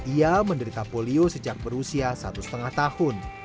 ia menderita polio sejak berusia satu lima tahun